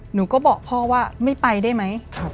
หนูก็บอกพ่อว่าไม่ไปได้ไหม